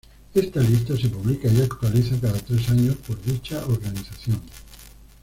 Esta lista se publica y actualiza cada tres años por dicha organización.